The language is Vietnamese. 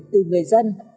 từ người dân